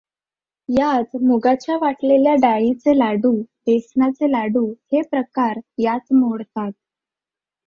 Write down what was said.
यात मुगाच्या वाटल्या डाळीचे लाडू, बेसनाचे लाडू हे प्रकार यात मोडतात.